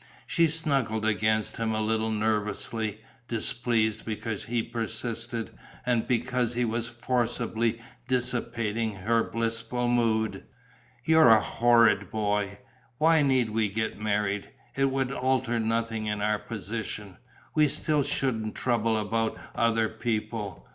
She snuggled against him a little nervously, displeased because he persisted and because he was forcibly dissipating her blissful mood: "You're a horrid boy. Why need we get married? It would alter nothing in our position. We still shouldn't trouble about other people.